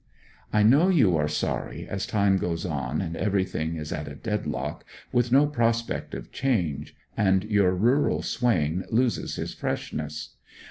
'I know you are sorry, as time goes on, and everything is at a dead lock, with no prospect of change, and your rural swain loses his freshness!